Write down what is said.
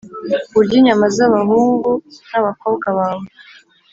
urye inyama z’abahungu n’abakobwa bawe